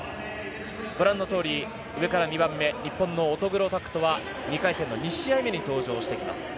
ご覧のとおり上から２番目、日本の乙黒拓斗は２回戦の２試合目に登場してきます。